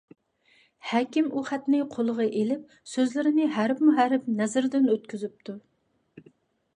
ھەكىم ئۇ خەتنى قولىغا ئېلىپ، سۆزلىرىنى ھەرپمۇ ھەرپ نەزىرىدىن ئۆتكۈزۈپتۇ.